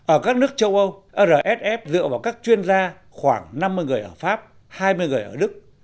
ở các nước châu âu rsf dựa vào các chuyên gia khoảng năm mươi người ở pháp hai mươi người ở đức